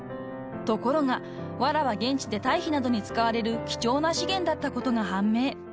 ［ところがわらは現地で堆肥などに使われる貴重な資源だったことが判明］